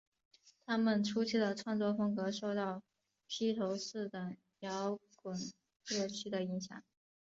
她们初期的创作风格受到披头四等摇滚乐团的影响。